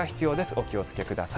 お気をつけください。